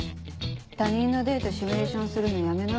他人のデートシミュレーションするのやめな。